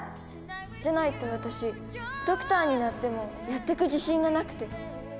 じゃないと私ドクターになってもやってく自信がなくて。